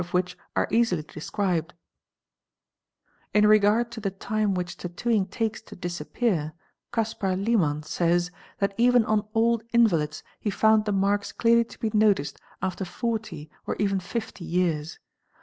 of which are easily described. TATTOO MARKS 1638 In regard to the time which tattooing takes to disappear Caspar Liman says "8, that even on old invalids he found the marks clearly to be ~ noticed after 40 or even 50 years.